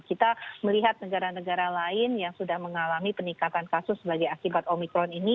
kita melihat negara negara lain yang sudah mengalami peningkatan kasus sebagai akibat omikron ini